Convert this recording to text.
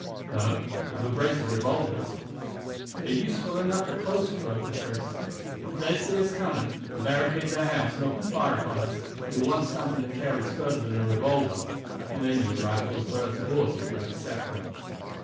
"No; I have a brace of revolvers." "They are useful enough for close work," the sheriff said, "but if they see us coming, and barricade their house and open fire upon us, you will want something that carries further than a revolver. I can lend you a rifle as well as a horse if you will accept them."